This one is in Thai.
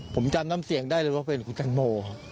ผมจำน้ำเสียงได้เลยว่าเป็นคุณแตงโม